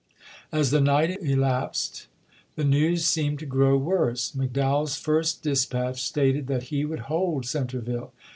As the night elapsed, the news seemed to grow worse. McDowell's first dispatch stated that he would hold Centreville.